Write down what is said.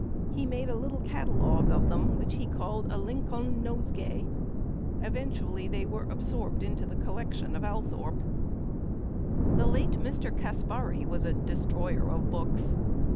He made a little catalogue of them, which he called "A Lincolne Nosegaye." Eventually they were absorbed into the collection at Althorp. The late Mr. Caspari was a "destroyer" of books.